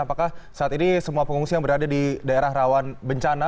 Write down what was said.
apakah saat ini semua pengungsi yang berada di daerah rawan bencana